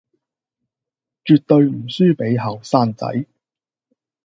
絕對唔輸畀後生仔